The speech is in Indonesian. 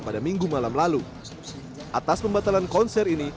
pada minggu malam lalu atas pembatalan konser ini